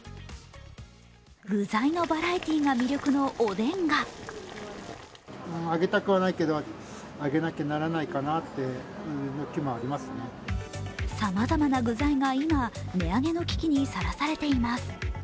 具材のバラエティーが魅力のおでんがさまざまな具材が今、値上げの危機にさらされています。